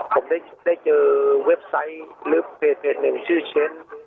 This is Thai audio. ผมได้เจอเว็บไซต์หรือเพจหนึ่งชื่อเชน